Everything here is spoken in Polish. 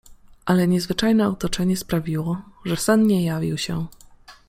Ale niezwyczajne otoczenie sprawiło, że sen nie jawił się.